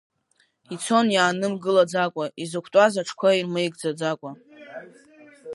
Ицон иаанымгылаӡакәа, изықәтәаз аҽқәа ирмеигӡаӡакәа.